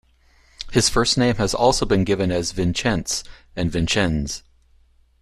His first name has also been given as "Vincenc" and "Vincenz".